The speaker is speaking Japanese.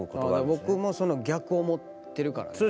僕もその逆を思ってるからね。